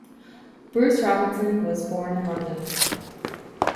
Bruce Robinson was born in London.